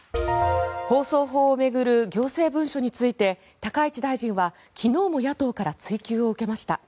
放送法を巡る行政文書について高市大臣は昨日も野党から追及を受けました。